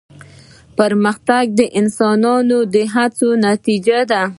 پرمختګ د انسان د هڅو نتیجه ده.